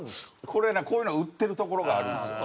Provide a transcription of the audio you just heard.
これはねこういうのが売ってる所があるんですよ。